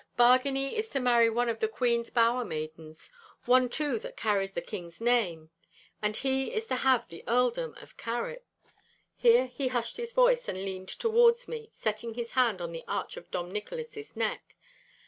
Bargany is to marry one of the Queen's bower maidens—one too that carries the King's name—and he is to have the Earldom of Carrick!' Here he hushed his voice and leaned towards me, setting his hand on the arch of Dom Nicholas's neck.